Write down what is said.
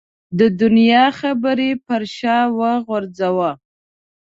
د دنیا خبرې پر شا وغورځوه.